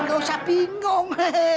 nggak usah bingung